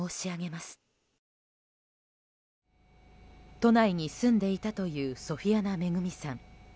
都内に住んでいたというソフィアナ恵さん。